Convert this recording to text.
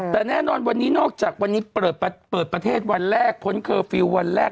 แต่แน่นอนวันนี้นอกจากวันนี้เปิดประเทศวันแรกพ้นเคอร์ฟิลล์วันแรก